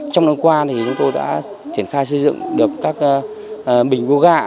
trong năm qua thì chúng tôi đã triển khai xây dựng được các bình biô gà